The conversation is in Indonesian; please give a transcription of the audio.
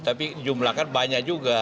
tapi jumlah kan banyak juga